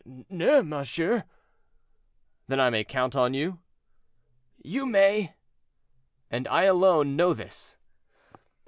"No, monsieur." "Then I may count on you?" "You may." "And I alone know this?"